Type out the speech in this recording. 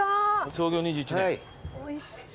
創業２１年。